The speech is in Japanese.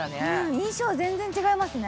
印象、全然違いますね。